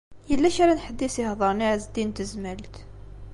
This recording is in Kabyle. Yella kra n ḥedd i s-iheḍṛen i Ɛezdin n Tezmalt.